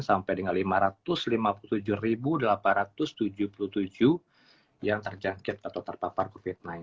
sampai dengan lima ratus lima puluh tujuh delapan ratus tujuh puluh tujuh yang terjangkit atau terpapar covid sembilan belas